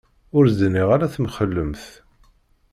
Ur d-nniɣ ara temxellemt.